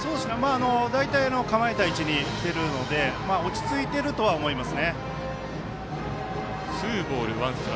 大体、構えた位置にきているので落ち着いてるとは思います。